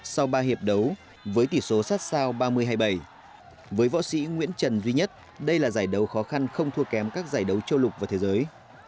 sau ba hiệp đấu với tỷ số sát sao ba mươi hai mươi bảy với võ sĩ nguyễn trần duy nhất đây là giải đấu khó khăn không thua kém các giải đấu châu lục và thế giới